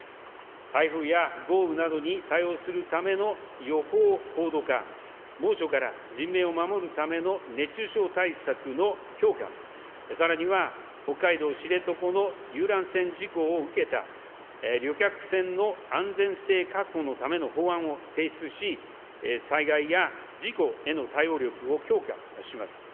台風や豪雨などに対応するための予報高度化、猛暑から人命を守るための熱中症対策の強化、さらには北海道知床の遊覧船事故を受けた、旅客船の安全性確保のための法案を提出し、災害や事故への対応力を強化します。